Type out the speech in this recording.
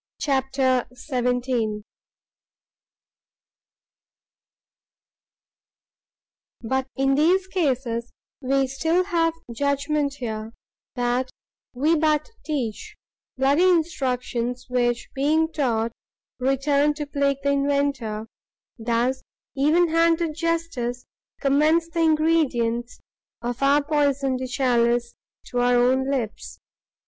CHAPTER XVII But in these cases, We still have judgment here; that we but teach Bloody instructions, which, being taught, return To plague the inventor: thus even handed justice Commends the ingredients of our poison'd chalice To our own lips.